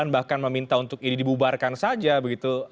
bahkan meminta untuk ini dibubarkan saja begitu